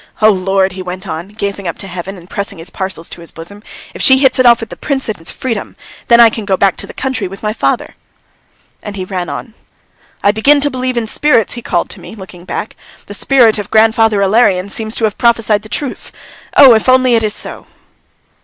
Oh, Lord!" he went on, gazing up to heaven, and pressing his parcels to his bosom. "If she hits it off with the prince, it means freedom, then I can go back to the country with my father!" And he ran on. "I begin to believe in spirits," he called to me, looking back. "The spirit of grandfather Ilarion seems to have prophesied the truth! Oh, if only it is so!"